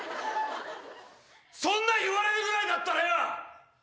そんなん言われるぐらいだったらよ！